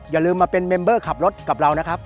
อย่าลืมมาเป็นเมมเบอร์ขับรถกับเรานะครับ